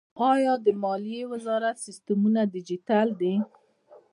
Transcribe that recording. آیا د مالیې وزارت سیستمونه ډیجیټل دي؟